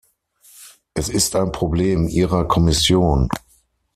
Es ist ein Problem Ihrer Kommission.